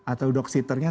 atau dog sitternya